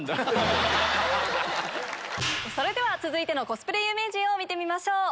それでは続いてのコスプレ有名人見てみましょう。